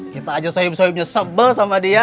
kita aja sayub sayubnya sebel sama dia